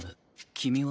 君は。